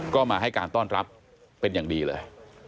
ก็มาให้การต้อนรับเป็นอย่างดีเลย